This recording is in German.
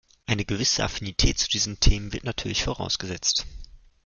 Eine gewisse Affinität zu diesen Themen wird natürlich vorausgesetzt.